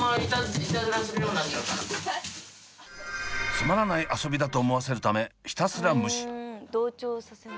つまらない遊びだと思わせるためひたすら無視。